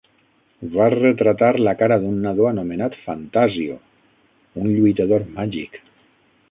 Va retratar la cara d'un nadó anomenat "Phantasio", un lluitador màgic.